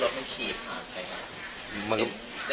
ไม่มี